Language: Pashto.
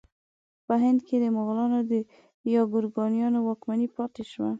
په هند کې د مغلانو یا ګورکانیانو واکمني پاتې شوه.